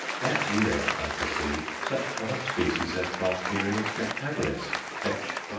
That year, I perceive, such common species as Barkeria spectabilis fetched 5l.